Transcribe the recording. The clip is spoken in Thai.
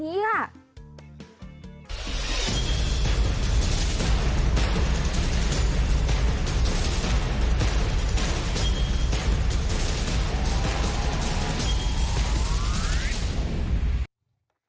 หันไปมองกระตุกผู้โทษภาพดิ